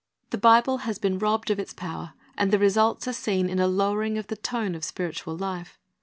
The Bible has been robbed of its power, and the results are seen in a lowering of the tone of spiritual life.